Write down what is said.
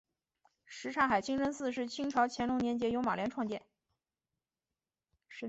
什刹海清真寺是清朝乾隆年间由马良创建。